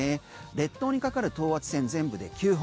列島にかかる等圧線全部で９本。